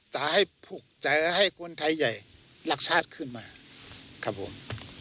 จะให้ผูกใจให้คนไทยใหญ่รักชาติขึ้นมาครับผม